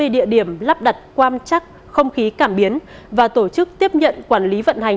hai mươi địa điểm lắp đặt quan chắc không khí cảm biến và tổ chức tiếp nhận quản lý vận hành